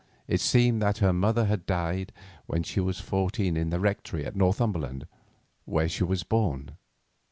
It seemed that her mother had died when she was fourteen at the rectory in Northumberland, where she was born.